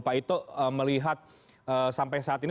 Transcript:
pak ito melihat sampai saat ini